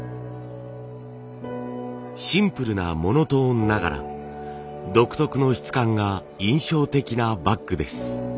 シンプルなモノトーンながら独特の質感が印象的なバッグです。